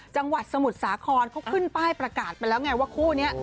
สมุทรสาครเขาขึ้นป้ายประกาศไปแล้วไงว่าคู่นี้